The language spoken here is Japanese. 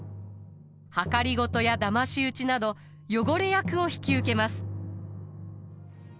謀やだまし討ちなど汚れ役を引き受けます。